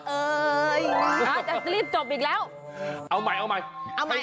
เอ้ยถ้าจริงจบอีกแล้ว